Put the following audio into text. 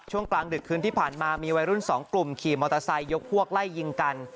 กลางดึกคืนที่ผ่านมามีวัยรุ่นสองกลุ่มขี่มอเตอร์ไซค์ยกพวกไล่ยิงกัน